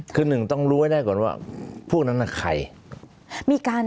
คือหนึ่งต้องรู้ให้ได้ก่อนว่าพวกนั้นน่ะใครมีการ